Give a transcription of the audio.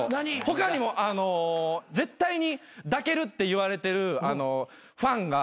他にもあの絶対に抱けるっていわれてるファンが。